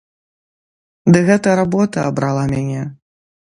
Ды гэта работа абрала мяне!